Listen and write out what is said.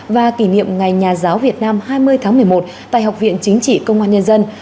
và kỷ niệm ngày nhà giáo việt nam hai mươi tháng một mươi một tại học viện chính trị công an nhân dân